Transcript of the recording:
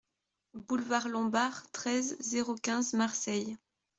Boulevard Lombard, treize, zéro quinze Marseille